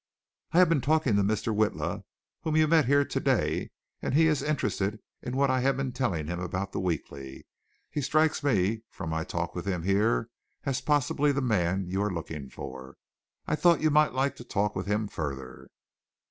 "I have been talking to Mr. Witla, whom you met here today, and he is interested in what I have been telling him about the Weekly. He strikes me from my talk with him here as being possibly the man you are looking for. I thought that you might like to talk with him further."